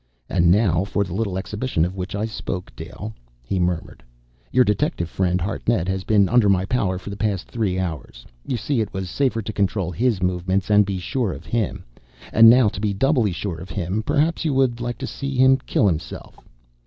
"And now for the little exhibition of which I spoke, Dale," he murmured. "Your detective friend, Hartnett, has been under my power for the past three hours. You see, it was safer to control his movements, and be sure of him. And now, to be doubly sure of him, perhaps you would like to see him kill himself!"